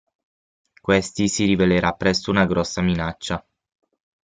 Questi si rivelerà presto una grossa minaccia.